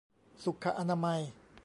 สุขอนามัย